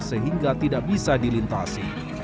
sehingga tidak bisa dilintasi